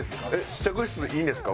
試着室いいんですか？